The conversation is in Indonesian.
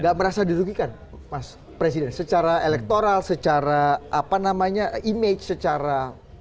tidak merasa dirugikan mas presiden secara electoral secara apa namanya image secara opini